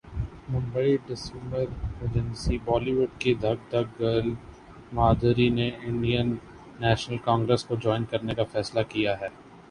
Mumbai December agency Bollywood کی Dhak Dhak girl Madhuri نے Indian National Congress کو جائن کرنے کا فیصلہ کیا ہے